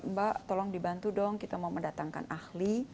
mbak tolong dibantu dong kita mau mendatangkan ahli